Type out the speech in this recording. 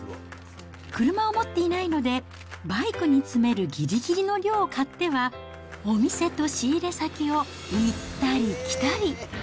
車を持っていないので、バイクに積めるぎりぎりの量を買っては、お店と仕入れ先を行ったり来たり。